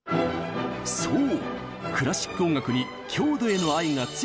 そう！